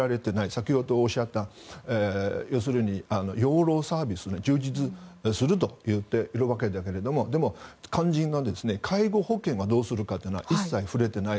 先ほどおっしゃった要するに養老サービスを充実すると言っているわけだけどもでも、肝心な介護保険はどうするかというのは一切触れてない。